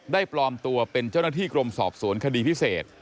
ปลอมตัวเป็นเจ้าหน้าที่กรมสอบสวนคดีพิเศษ